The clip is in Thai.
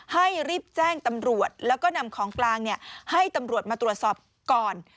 ให้รีบแจ้งตำรวจแล้วก็นำของกลางให้ตำรวจมาตรวจสอบก่อน